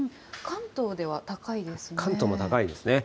関東も高いですね。